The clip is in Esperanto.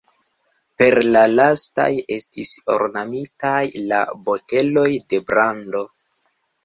Per la lastaj estis ornamitaj la boteloj de brando.